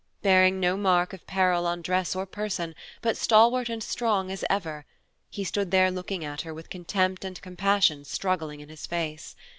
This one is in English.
Bearing no mark of peril on dress or person, but stalwart and strong as ever, he stood there looking at her, with contempt and compassion struggling in his face.